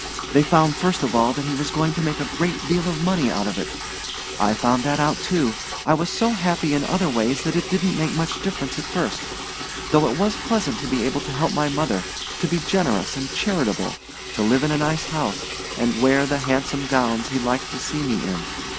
They found first of all that he was going to make a great deal of money out of it. I found that out too. I was so happy in other ways that it didn't make much difference at first; though it was pleasant to be able to help my mother, to be generous and charitable, to live in a nice house, and wear the handsome gowns he liked to see me in.